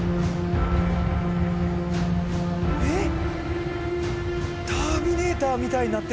えっ？